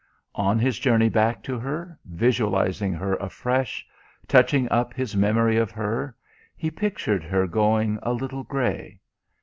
On his journey back to her, visualising her afresh, touching up his memory of her, he pictured her going a little grey.